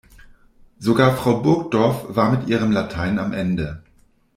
Sogar Frau Burgdorf war mit ihrem Latein am Ende.